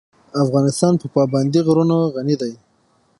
افغانستان په پابندی غرونه غني دی.